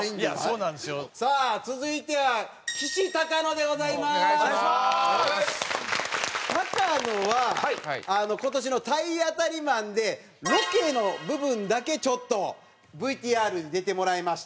高野は今年の体当たりマンでロケの部分だけちょっとＶＴＲに出てもらいました。